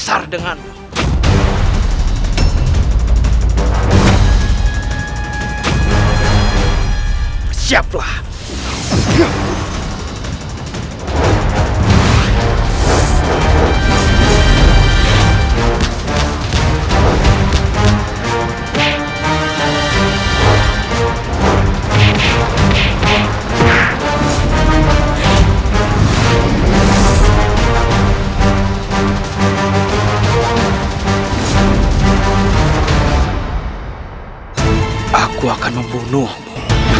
aku akan membunuhmu